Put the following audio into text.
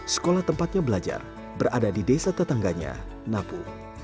sekolah tempatnya belajar berada di desa tetangganya napu